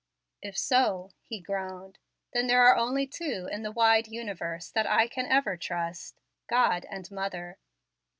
"If so," he groaned, "then there are only two in the wide universe that I can ever trust, God and mother."